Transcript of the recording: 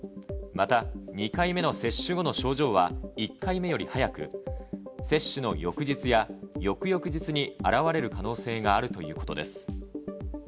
また、２回目の接種後の症状は１回目より早く、接種の翌日や翌々日に現れる可能性があるということです。